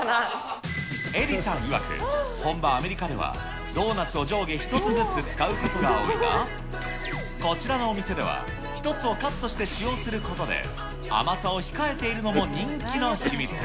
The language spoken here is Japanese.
エリさんいわく、本場、アメリカでは、ドーナツを上下１つずつ使うことが多いが、こちらのお店では、１つをカットして使用することで、甘さを控えているのも人気の秘密。